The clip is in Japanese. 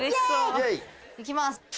行きます。